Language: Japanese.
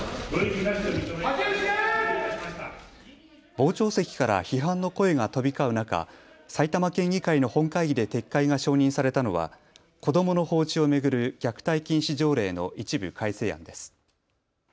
傍聴席から批判の声が飛び交う中、埼玉県議会の本会議で撤回が承認されたのは子どもの放置を巡る虐待禁止条例の一部改正案です。